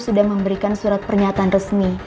sudah memberikan surat pernyataan resmi